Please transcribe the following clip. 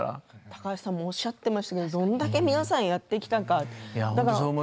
高橋さんもおっしゃってましたがどれだけ皆さんやってきたか。